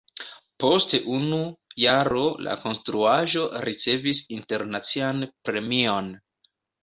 Post unu jaro la konstruaĵo ricevis internacian premion.